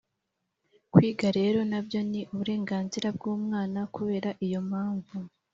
Kwiga rero na byo ni uburenganzira bw umwana Kubera iyo mpamvu